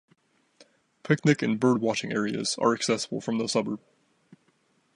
Picnic and bird-watching areas are accessible from the suburb.